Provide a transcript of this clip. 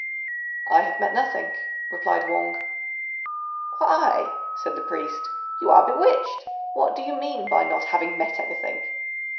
"I have met nothing," replied Wang. "Why," said the priest, "you are bewitched; what do you mean by not having met anything?"